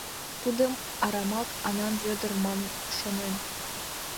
— Тудым арамак Анан Вӧдыр маныт, шонет?